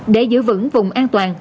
để giữ vững vùng an toàn